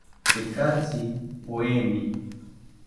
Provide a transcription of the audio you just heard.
Tekatzi oemi